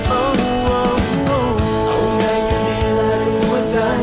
เอาไงกันดีล่ะกับหัวใจ